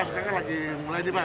sekarang lagi mulai nih pak